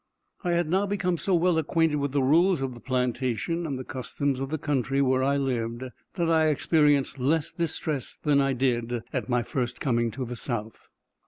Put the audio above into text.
I had now become so well acquainted with the rules of the plantation and the customs of the country where I lived, that I experienced less distress than I did at my first coming to the South.